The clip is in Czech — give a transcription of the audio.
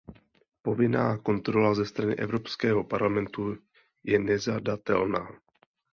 Povinná kontrola ze strany Evropského parlamentu je nezadatelná.